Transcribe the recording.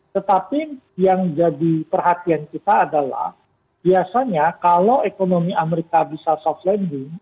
tetapi yang jadi perhatian kita adalah biasanya kalau ekonomi amerika bisa soft landing